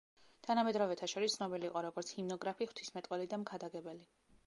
თანამედროვეთა შორის ცნობილი იყო როგორც ჰიმნოგრაფი, ღვთისმეტყველი და მქადაგებელი.